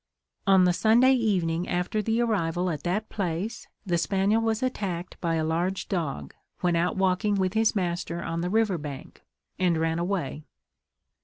On the Sunday evening after the arrival at that place, the spaniel was attacked by a large dog, when out walking with his master on the river bank, and ran away.